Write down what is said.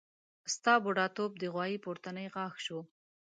ستا بډاتوب د غوايي پورتنی غاښ شو.